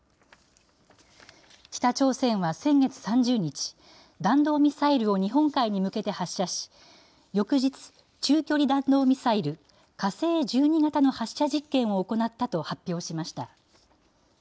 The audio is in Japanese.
北朝鮮は先月３０日、弾道ミサイルを日本海に向けて発射し、翌日、中距離弾道ミサイル、火星１２型の発射実験を行ったと発表しました。